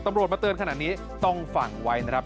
มาเตือนขนาดนี้ต้องฟังไว้นะครับ